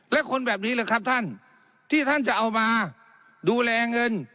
และคนแบบนี้แหละครับท่านที่ท่านจะเอามาดูแลเงิน